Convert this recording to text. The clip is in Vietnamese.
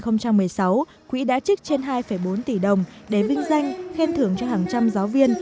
năm hai nghìn một mươi sáu quỹ đã trích trên hai bốn tỷ đồng để vinh danh khen thưởng cho hàng trăm giáo viên